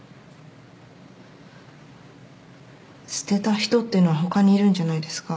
捨てた人ってのは他にいるんじゃないですか？